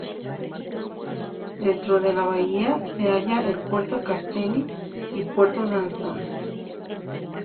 Dentro de la bahía se halla el Puerto Castelli y el Puerto Danson.